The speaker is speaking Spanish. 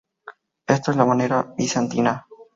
Esto a la manera bizantina.